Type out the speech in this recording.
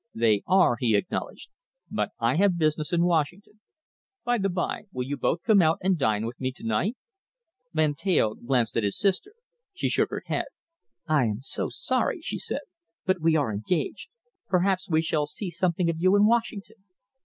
"They are," he acknowledged, "but I have business in Washington. By the bye, will you both come out and dine with me to night?" Van Teyl glanced at his sister. She shook her head. "I am so sorry," she said, "but we are engaged. Perhaps we shall see something of you in Washington."